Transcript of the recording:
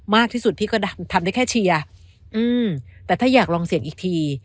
มากที่สุดพี่ก็ทำได้แค่เชียร์แต่ถ้าอยากลองเสียงอีกที